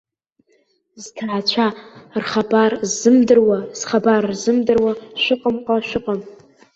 Зҭаацәа рхабар ззымдыруа, зхабар рзымдыруа, шәыҟамкәа шәыҟам.